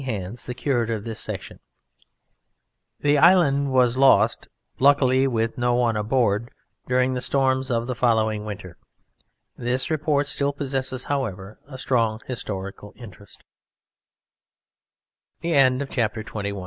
Hands, the curator of this section: (_The Island was lost luckily with no one aboard during the storms of the following winter. This report still possesses, however, a strong historical interest_). PERIGEUX OF THE PERIGORD I knew a man once. I met him in